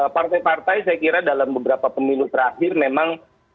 partai partai saya kira dalam beberapa pemilu terakhir memang